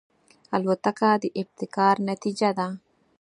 الوتکه د ابتکار نتیجه ده.